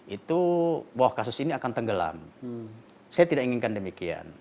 itu bahwa kasus ini akan tenggelam saya tidak inginkan demikian